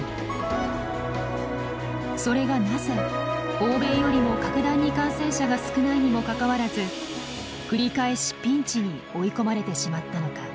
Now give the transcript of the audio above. それがなぜ欧米よりも格段に感染者が少ないにもかかわらず繰り返しピンチに追い込まれてしまったのか。